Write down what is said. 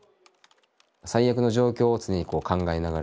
最悪の状況を常にこう考えながら。